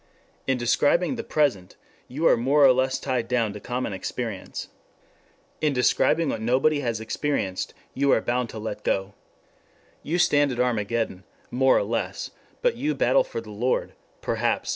In describing the present you are more or less tied down to common experience. In describing what nobody has experienced you are bound to let go. You stand at Armageddon, more or less, but you battle for the Lord, perhaps....